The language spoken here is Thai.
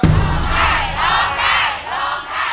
ร้องได้ร้องได้ร้องได้